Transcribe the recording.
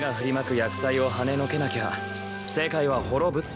厄災をはねのけなきゃ世界は滅ぶってわけだ。